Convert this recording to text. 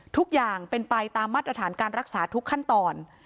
ทุกอย่างเป็นไปตามมาตรฐานการรักษาทุกขั้นตอน